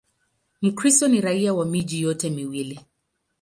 Mkristo ni raia wa miji yote miwili.